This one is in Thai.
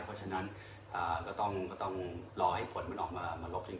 เพราะฉะนั้นก็ต้องรอให้ผลมันออกมามาลบที่